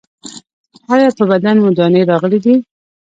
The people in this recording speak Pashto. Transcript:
ایا په بدن مو دانې راغلي دي؟